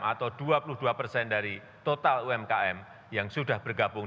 atau dua puluh dua persen dari total umkm yang sudah bergabung